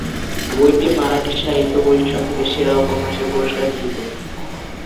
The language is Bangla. বইটি মারাঠি সাহিত্য পরিষদ থেকে 'সেরা উপন্যাস' এর পুরস্কার জিতে।